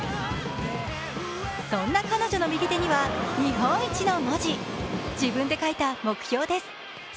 そんな彼女の右手には「日本一」の文字、自分で書いた目標です。